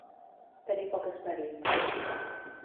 Tenir poc esperit.